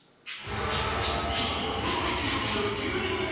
今最も勢いに乗る９人組